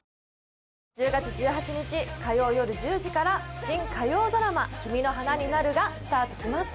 １０月１８日火曜よる１０時から新火曜ドラマ「君の花になる」がスタートします